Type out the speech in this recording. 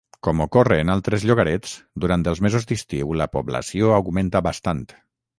Com ocorre en altres llogarets, durant els mesos d'estiu la població augmenta bastant.